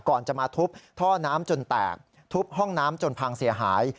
ก่อนจะมาทุบท่อน้ำจนแตกทุบห้องน้ำจนพังเสียหาย